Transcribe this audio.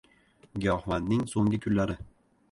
Giyohvandning so‘nggi kunlari